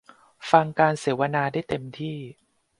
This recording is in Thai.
ฟังการเสวนาเต็มได้ที่